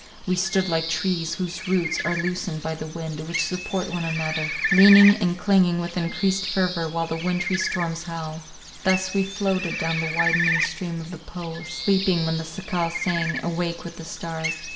We stood like trees, whose roots are loosened by the wind, which support one another, leaning and clinging with encreased fervour while the wintry storms howl. Thus we floated down the widening stream of the Po, sleeping when the cicale sang, awake with the stars.